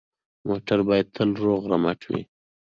موټر باید تل روغ رمټ وي.